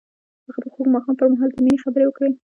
هغه د خوږ ماښام پر مهال د مینې خبرې وکړې.